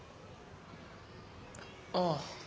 ああ。